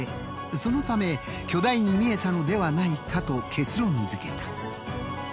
そのため巨大に見えたのではないかと結論づけた。